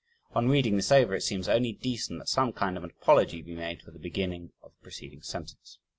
On reading this over, it seems only decent that some kind of an apology be made for the beginning of the preceding sentence.